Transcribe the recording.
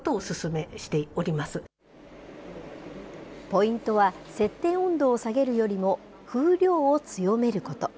ポイントは、設定温度を下げるよりも、風量を強めること。